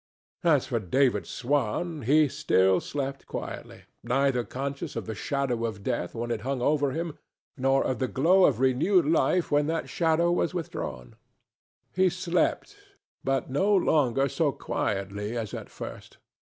As for David Swan, he still slept quietly, neither conscious of the shadow of death when it hung over him nor of the glow of renewed life when that shadow was withdrawn. He slept, but no longer so quietly as at first.